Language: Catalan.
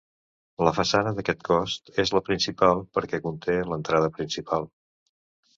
La façana d'aquest cos és la principal perquè conté l'entrada principal.